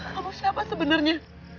kau siapa sebenernya